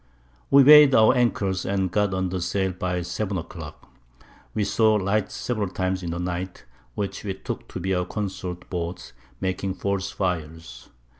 We weigh'd our Anchors, and got under Sail by 7 a Clock: We saw Lights several times in the Night, which we took to be our Consorts Boats making false Fires.